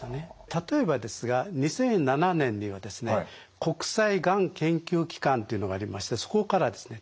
例えばですが２００７年にはですね国際がん研究機関というのがありましてそこからですね